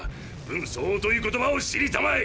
「分相応」という言葉を知りたまえ！